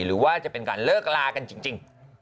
หรือว่าจะเป็นการเลิกลากันจริง